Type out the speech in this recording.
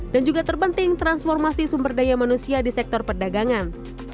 dan juga terpenting transformasi sumber daya manusia di sektor perdagangan